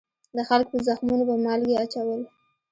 د خلکو په زخمونو به مالګې اچول.